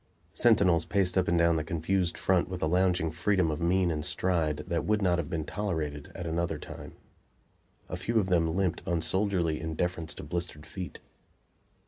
Sentinels paced up and down the confused front with a lounging freedom of mien and stride that would not have been tolerated at another time. A few of them limped unsoldierly in deference to blistered feet.